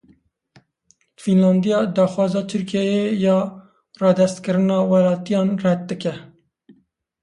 Fînlandiya daxwaza Tirkiyeyê ya radestkirina welatiyan red dike.